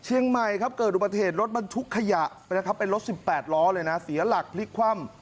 เชียงใหม่ครับเกิดอุบัติเหตุรถบรรทุกขยะนะครับเป็นรถ๑๘ล้อเลยนะเสียหลักพลิกคว่ำ